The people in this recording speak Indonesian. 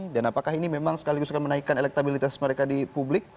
dan apakah ini memang sekaligus akan menaikkan elektabilitas mereka di publik